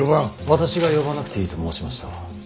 私が呼ばなくていいと申しました。